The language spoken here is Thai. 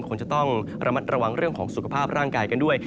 คงจะต้องระมัดระวังเรื่องของสุขภาพร่างกายกันด้วย